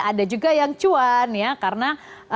ada juga yang cuan ya karena